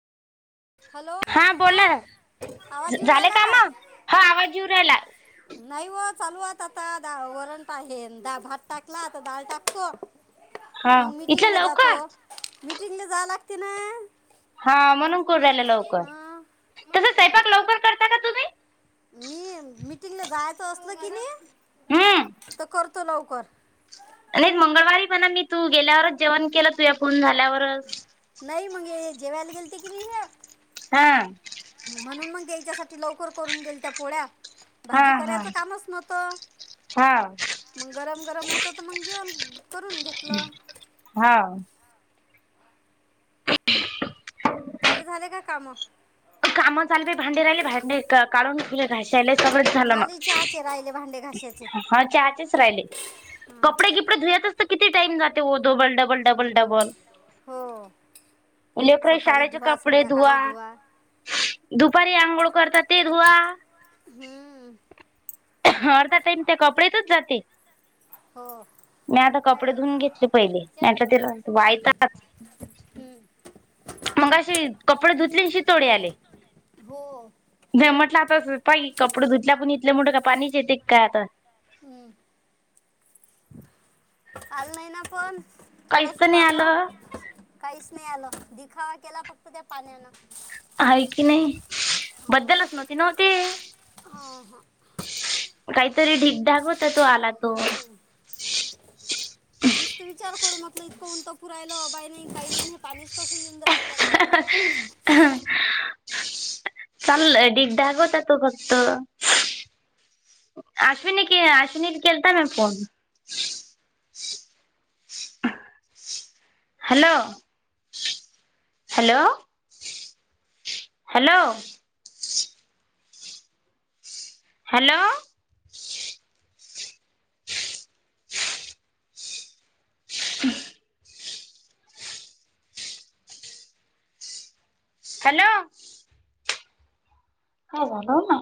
Hello हा आवाज येवून झाले रायला काम काय हा आवाज येऊ राहिला नाय व चालूत आता द वरंन पा आहे द भात टाकला आता डाळ टाकतो हा मग इथलं मिीटिंगले जातो लवकर मिीटिंगला जाव लागते ना हा म्हणून कोरुन राहिलं लवकर हां तसं स्वपाक लवकर करता का तूम्ही मी मिीटिंगला जायचं असल की हम्म नी तर करतो लवकर आणि मंगळवारी बणा मी तू गेल्यावरच जेवण केलं तू या पर्ण झाल्यावरच नाही मगेे जेवाल गलती कीलींगे म्हा हा म्हणून मग या्यायच्यासाठी लवकर करून देईल त्या पोळ्या हा भाजी हा करायचं कामच नव्हतं हा मग गरम गरम होत तर मग जेवण करून घेत हा आवाज झाले झाले का काम काम चाल भांडे राहिले भांडे काढून खुले घाशाले सगळंच झालं मग माली चहाचे राहिले भांडे घाशाचे हा चाहाचेज राहिले कपडे किपडे धुयातच तर किती टाइम जाते डबल डबल डबल डबल हो लेकरे सकाळी शाळेचे धुवा कपडे धुवा संध्याकाळी दुपारी आंघोळ करतात ते धुवा हम्म अर्धा टाईम त्या कपडेेतच जाते. हो मी आता काय कपडे धुवून घेतले पहिले. चहा म ते वायताच हम्म. मंगाशी अ कपडे धुतले आणि शितोडे आले. हो नाही म्हटलं आता पाही कपडे धुतल्या पण इथले काय पाणीच यते काय आता? हम्म. आलं नाही ना पण. काहीच तर थोडसच नाही आल. आलं काहीच नाही आलं दिखावा केला फक्त त्या पाण्यान हाय की नही बद्दलच नव्हती नव्हती हां हां काहीतरी ढीकढाग होता तो आला तो हम्म. [inaudible] मीसत विचार करू म्हटलं इतकहून त पुरायलं बाय नाही काही नाही हे पाणीच कसं येऊन राहिलं काय माहित. चाल डिढाग होता तो फक्त. अश्विनी के अश्विनी केलता नवे phone? Hello. Hello hello. Hello. हम्म. हॅलो. [unintelligible]